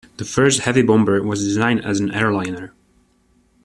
The first heavy bomber was designed as an airliner.